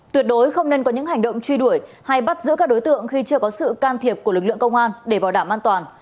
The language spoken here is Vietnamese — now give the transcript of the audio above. tuyệt đối không nên có những hành động truy đuổi hay bắt giữ các đối tượng khi chưa có sự can thiệp của lực lượng công an để bảo đảm an toàn